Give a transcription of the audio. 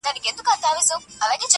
زما دقام خلګ چي جوړ سي رقيبان ساتي،